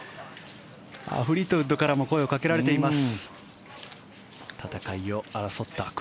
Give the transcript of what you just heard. フリートウッドからも声をかけられています。